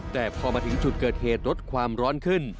แต่พอมาถึงจุดเกิดเหตุลดความร้อนขึ้น